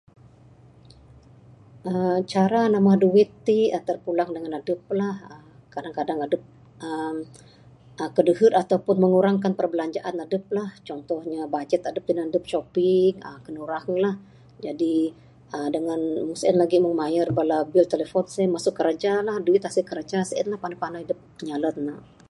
uhh Cara nambah duit tik terpulang dengan adup lah. uhh Kadang kadang adup uhh uhh kedehu atau pun mengurangkan perbelanjaan adup lah. Contoh nya budget adup tinan adup shopping uhh kinurang lah. Jadi uhh dengan mung sien lagi mung mayar bala bil telefon sien masu kereja lah, masu duit kiraja, Sien lah. Pandai pandai adup nyalan ne.